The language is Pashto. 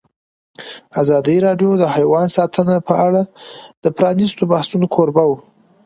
ازادي راډیو د حیوان ساتنه په اړه د پرانیستو بحثونو کوربه وه.